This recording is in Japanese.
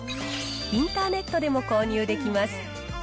インターネットでも購入できます。